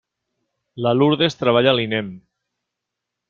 La Lurdes treballa a l'INEM.